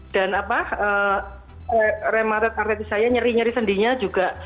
dan rematet artis saya nyeri nyeri sendinya juga